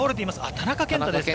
田中健太ですか。